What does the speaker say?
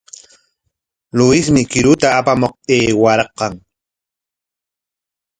Luismi qiruta apamuq aywarqun.